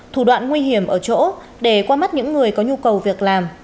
thủ đoạn nguy hiểm ở chỗ để qua mắt những người có nhu cầu việc làm